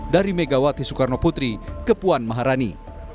dari megawati soekarno putri ke puan maharani